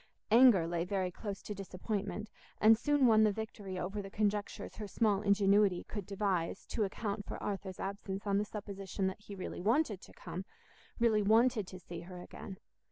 Anger lay very close to disappointment, and soon won the victory over the conjectures her small ingenuity could devise to account for Arthur's absence on the supposition that he really wanted to come, really wanted to see her again.